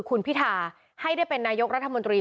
คุณพิธาให้ได้เป็นนายกรัฐมนตรี